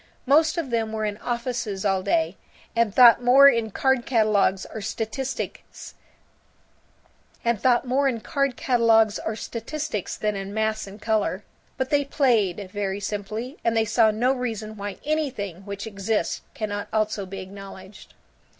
Most of them were in offices all day, and thought more in card catalogues or statistics than in mass and color. But they played, very simply, and they saw no reason why anything which exists cannot also be acknowledged.